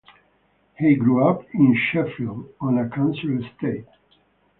He grew up in Sheffield on a council estate.